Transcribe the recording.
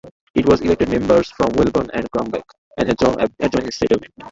It has elected members from Welburn and Crambeck, an adjoining settlement.